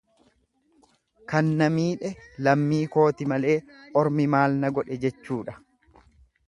Kan na miidhe lammii kooti malee ormi maal na godhe jechuudha.